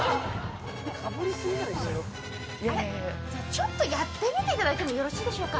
ちょっとやってみていただいてもよろしいでしょうか。